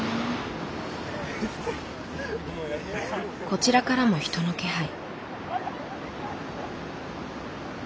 こちらからも人の気配。